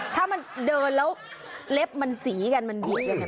ถ้ามันเดินแล้วเล็บมันสีกันมันดียังไง